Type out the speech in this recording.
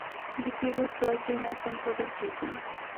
د پیرود ځای کې نظم ساتل کېږي.